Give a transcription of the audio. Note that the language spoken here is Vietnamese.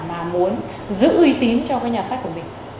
mà muốn giữ uy tín trong cái nhà sách của mình